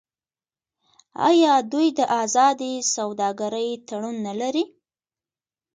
آیا دوی د ازادې سوداګرۍ تړون نلري؟